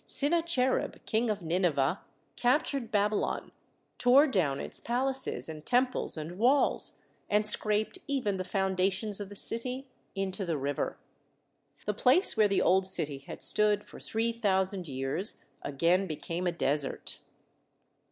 Sinacherib, King of Nineveh, captured Babylon, tore down its palaces and tem ples and walls, and scraped even the foundations of the city into the river. The place where the old city had stood for three thousand years again became a desert.